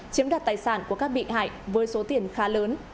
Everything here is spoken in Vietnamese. chiếm đoạt tài sản của các bị hại với số tiền khá lớn